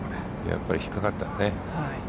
やっぱりひっかかったね。